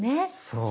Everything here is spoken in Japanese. そう。